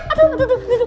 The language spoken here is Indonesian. aduh aduh aduh aduh